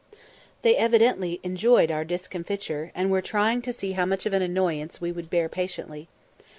They evidently enjoyed our discomfiture, and were trying how much of annoyance we would bear patiently.